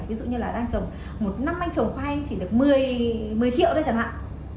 ví dụ như là đang trồng một năm anh trồng khoai chỉ được một mươi triệu đây chẳng hạn